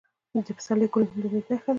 د پسرلي ګلونه د امید نښه ده.